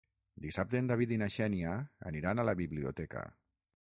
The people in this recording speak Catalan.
Dissabte en David i na Xènia aniran a la biblioteca.